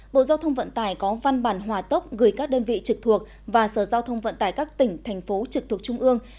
bộ giao thông vận tải có văn bản hòa tốc gửi các đơn vị trực thuộc và sở giao thông vận tải các tỉnh thành phố trực thuộc trung ương